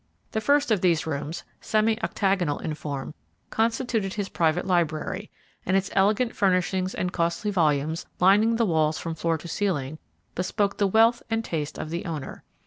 The first of these rooms, semi octagonal in form, constituted his private library, and its elegant furnishings and costly volumes, lining the walls from floor to ceiling, bespoke the wealth and taste of the owner.